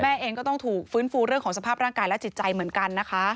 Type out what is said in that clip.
เองก็ต้องถูกฟื้นฟูเรื่องของสภาพร่างกายและจิตใจเหมือนกันนะคะ